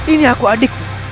ini aku adikmu